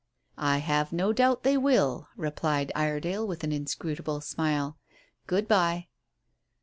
"I have no doubt they will," replied Iredale, with an inscrutable smile. "Good bye."